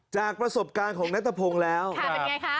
จากประสบการณ์ของนัทพงศ์แล้วเป็นไงคะ